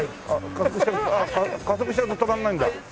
加速しちゃうと止まらないんだ。